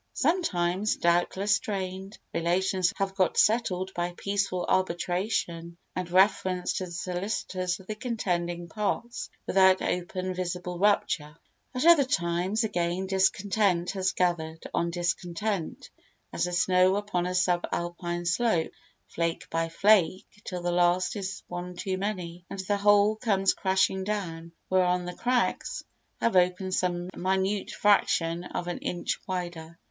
Sometimes, doubtless, strained relations have got settled by peaceful arbitration and reference to the solicitors of the contending parts without open visible rupture; at other times, again, discontent has gathered on discontent as the snow upon a sub alpine slope, flake by flake, till the last is one too many and the whole comes crashing down—whereon the cracks have opened some minute fraction of an inch wider.